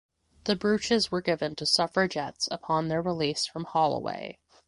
The brooches were given to suffragettes upon their release from Holloway.